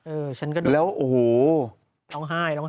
เออฉันก็ดูต้องไห้ต้องทำแล้วโอ้โฮ